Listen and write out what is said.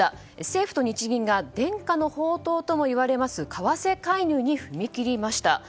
政府と日銀が伝家の宝刀ともいわれる為替介入に踏み切りました。